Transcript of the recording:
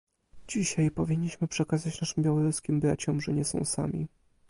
Dzisiaj powinniśmy przekazać naszym białoruskim braciom, że nie są sami